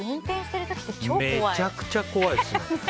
めちゃくちゃ怖いですね。